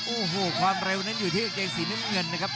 โอ้โหความเร็วนั้นอยู่ที่กางเกงสีน้ำเงินนะครับ